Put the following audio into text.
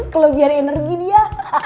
kalo biar energi dia